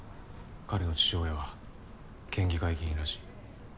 彼の父親は県議会議員らしい。